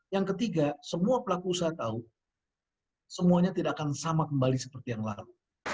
yang ketiga semua pelaku usaha tahu semuanya tidak akan sama kembali seperti yang lalu